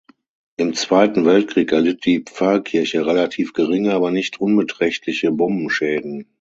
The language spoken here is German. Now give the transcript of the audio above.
Im Zweiten Weltkrieg erlitt die Pfarrkirche relativ geringe, aber nicht unbeträchtliche Bombenschäden.